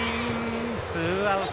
ツーアウト。